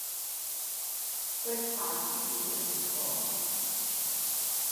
Roedd rhaid i fi 'i brynu fo.